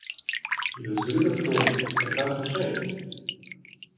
Jūs gribat to, es esmu šeit!